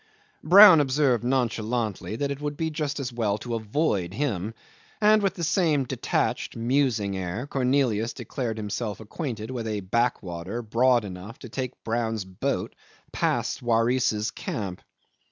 Brown observed nonchalantly that it would be just as well to avoid him, and with the same detached, musing air Cornelius declared himself acquainted with a backwater broad enough to take Brown's boat past Waris's camp.